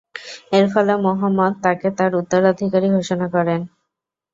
এর ফলে মুহাম্মদ তাকে তার উত্তরাধিকারী ঘোষণা করেন।